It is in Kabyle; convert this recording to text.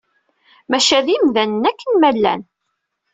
Maca d imdanen akken ma llan.